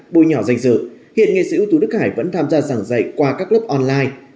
bôi nhỏ danh dự hiện nghệ sĩ ưu tú đức hải vẫn tham gia giảng dạy qua các lớp online